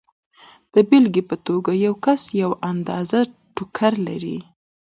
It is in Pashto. د بېلګې په توګه یو کس یوه اندازه ټوکر لري